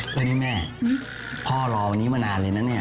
วันนี้แม่พ่อรอวันนี้มานานเลยนะเนี่ย